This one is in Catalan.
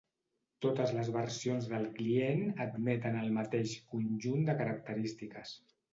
Totes les versions del client admeten el mateix conjunt de característiques.